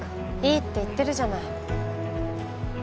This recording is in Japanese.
いいって言ってるじゃない。